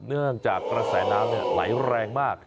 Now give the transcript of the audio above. เนื่องจากกระแสน้ำไหลแรงมาก